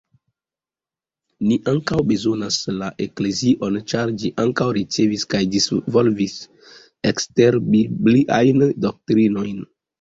Ni ankaŭ bezonas la eklezion, ĉar ĝi ankaŭ ricevis kaj disvolvis ekster-bibliajn doktrinojn.